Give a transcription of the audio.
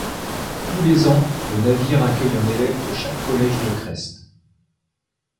Tous les ans, le navire accueille un élève de chaque collège de Crest.